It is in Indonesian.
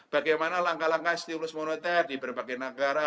bagaimana langkah langkah stimulus moneter di berbagai negara